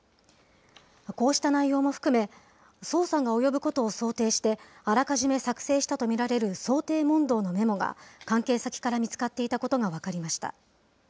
こうした内容も含め、捜査が及ぶことを想定して、あらかじめ作成したと見られる想定問答のメモが、関係先から見つかっていたことが分かりました。